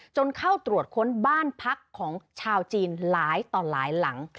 เข้าตรวจค้นบ้านพักของชาวจีนหลายต่อหลายหลัง